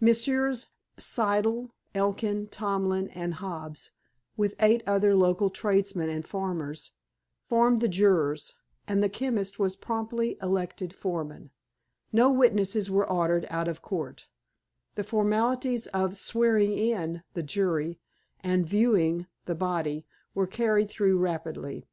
Messrs. Siddle, Elkin, Tomlin and Hobbs, with eight other local tradesmen and farmers, formed the jurors, and the chemist was promptly elected foreman; no witnesses were ordered out of court; the formalities of "swearing in" the jury and "viewing" the body were carried through rapidly.